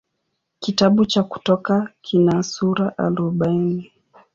Kitabu cha Kutoka kina sura arobaini.